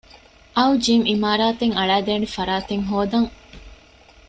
އައު ޖިމް އިމާރާތެއް އަޅައިދޭނޭ ފަރާތެއް ހޯދަން